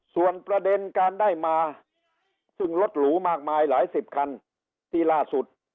ส่วนประเด็นการได้มาซึ่งรถหรูมากมายหลายสิบคันที่ล่าสุด